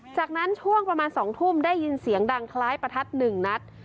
จากนั้นช่วงประมาณ๒ทุ่มได้ยินเสียงดังคล้ายประทัด๑นัด